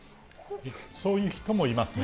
そういう人もいますね。